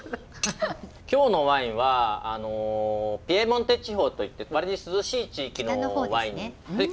今日のワインはピエモンテ地方といって割に涼しい地域のワイン。